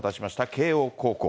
慶応高校。